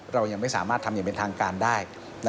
เรายังไม่สามารถทำอย่างเป็นทางการได้